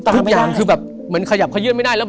ทุกอย่างคือแบบเหมือนขยับขยืนไม่ได้